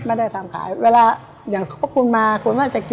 ไม่ได้ทำขายเวลาอย่างคุณมาคุณมาจะกิน